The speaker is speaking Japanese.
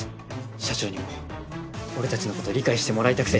社長にも俺たちのこと理解してもらいたくて。